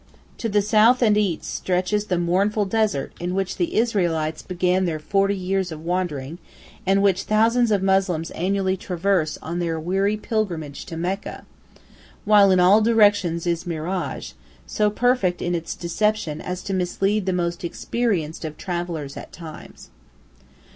To the south and east stretches the mournful desert in which the Israelites began their forty years of wandering, and which thousands of Moslems annually traverse on their weary pilgrimage to Mecca; while in all directions is mirage, so perfect in its deception as to mislead the most experienced of travellers at times.